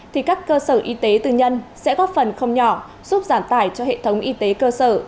thì các cơ sở y tế tư nhân sẽ góp phần không nhỏ giúp giảm tải cho hệ thống y tế cơ sở